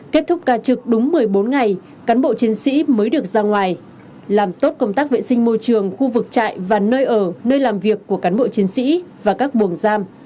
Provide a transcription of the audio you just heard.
kết thúc ca trực đúng một mươi bốn ngày cán bộ chiến sĩ mới được ra ngoài làm tốt công tác vệ sinh môi trường khu vực trại và nơi ở nơi làm việc của cán bộ chiến sĩ và các buồng giam